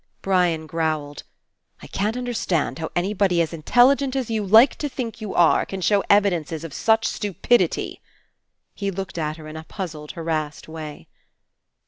Brian growled : "I can't understand how anybody as intelligent as you like to think you are can show evidences of such stupidity." He looked at her in a puzzled harassed way.